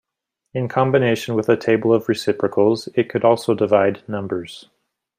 In combination with a table of reciprocals, it could also divide numbers.